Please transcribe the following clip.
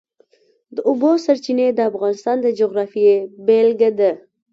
د اوبو سرچینې د افغانستان د جغرافیې بېلګه ده.